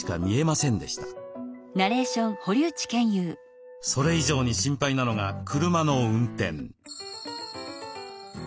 それ以上に心配なのが車の運転。